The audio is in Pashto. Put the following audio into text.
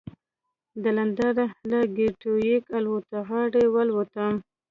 د لندن له ګېټوېک الوتغالي والوتم.